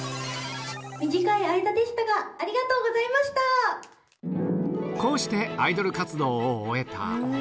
短い間でしたが、ありがとうこうして、アイドル活動を終えた。